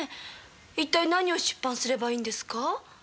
一体何を出版すればいいんですか？